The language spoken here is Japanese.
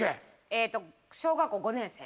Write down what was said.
えーっと小学校５年生。